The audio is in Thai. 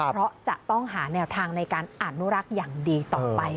เพราะจะต้องหาแนวทางในการอนุรักษ์อย่างดีต่อไป